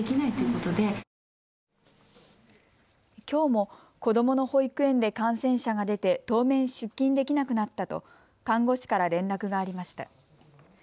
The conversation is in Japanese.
きょうも子どもの保育園で感染者が出て当面、出勤できなくなったと看護師から連絡がありました。